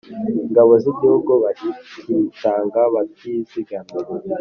ingabo z'igihugu bakitanga batizigamye